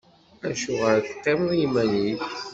Acuɣeṛ i teqqimeḍ iman-ik?